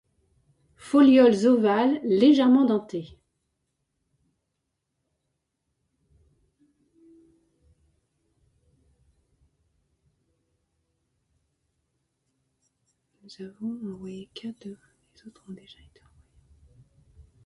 Folioles ovales, légèrement dentées.